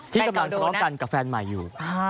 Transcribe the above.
ที่กำลังทะเลาะกันกับแฟนใหม่อยู่